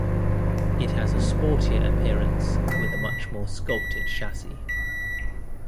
It has a sportier appearance, with a much more 'sculpted' chassis.